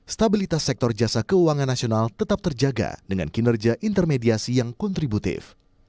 stabilitas sektor jasa keuangan nasional tetap terjaga dengan kinerja intermediasi yang kontributif